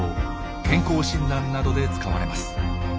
健康診断などで使われます。